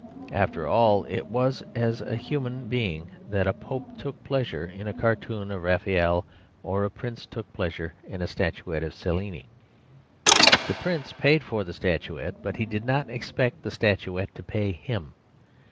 After all, it was as a human being that a pope took pleasure in a cartoon of Raphael or a prince took pleasure in a statuette of Cellini. The prince paid for the statuette; but he did not expect the statuette to pay him.